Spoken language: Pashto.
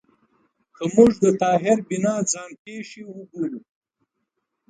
که موږ د طاهر بینا ځان پېښې وګورو